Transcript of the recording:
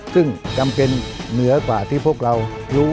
ซึ่งจำเป็นเหนือกว่าที่พวกเรารู้